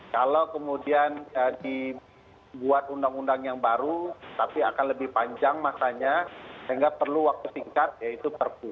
kalau kemudian dibuat undang undang yang baru tapi akan lebih panjang masanya sehingga perlu waktu singkat yaitu perpu